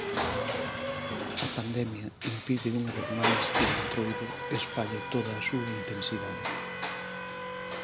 A pandemia impide unha vez máis que o Entroido espalle toda a súa intensidade.